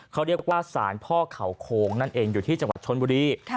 เขาเรียกว่าสารพ่อเขาโคงนั่นเองอยู่ที่จังหวัดชนบุรี